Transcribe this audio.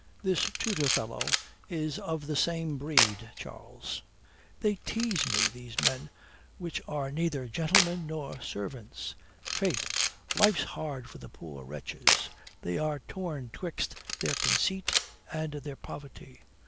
This tutor fellow is of the same breed, Charles. They tease me, these men which are neither gentlemen nor servants. Faith, life's hard for the poor wretches. They are torn 'twixt their conceit and their poverty.